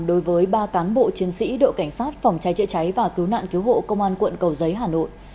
đối với ba cán bộ chiến sĩ đội cảnh sát phòng cháy chữa cháy và cứu nạn cứu hộ công an quận cầu giấy hà nội